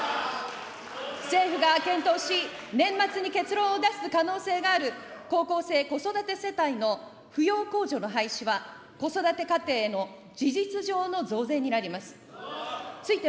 政府が検討し、年末に結論を出す可能性がある高校生子育て世帯の扶養控除の廃止は、子育て家庭への事実上の増税になります。